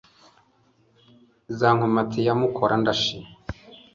Za Nkomati ya Mukora-ndashi,